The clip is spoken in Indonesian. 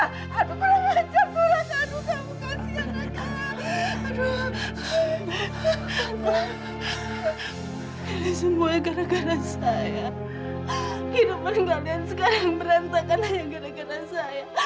kehidupan kalian sekarang berantakan hanya gara gara saya